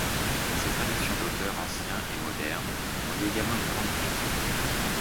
Ses traductions d’auteurs anciens et moderns ont eu également une grande diffusion.